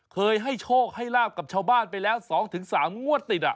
เคยให้โชคให้ลาบกับชาวบ้านไปแล้ว๒๓งวดติด